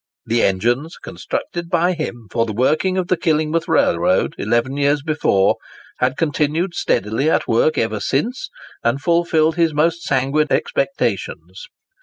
The engines constructed by him for the working of the Killingworth Railroad, eleven years before, had continued steadily at work ever since, and fulfilled his most sanguine expectations.